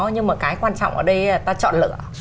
nhưng mà cái quan trọng ở đây là ta chọn lựa